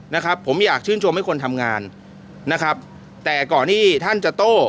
นะครับผมอยากชื่นชมให้คนทำงานนะครับแต่ก่อนที่ท่านจะโต้